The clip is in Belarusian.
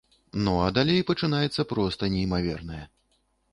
Ну а далей пачынаецца проста неймавернае.